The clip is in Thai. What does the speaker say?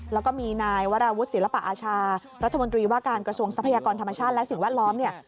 แล้วก็มีนายวราวุฒิศิลปะอาชารัฐมนตรีว่าการกระทรวงทรัพยากรธรรมชาติและสิ่งแวดล้อมเนี่ย